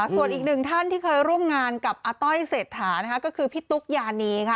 ส่วนอีกหนึ่งท่านที่เคยร่วมงานกับอาต้อยเศรษฐานะคะก็คือพี่ตุ๊กยานีค่ะ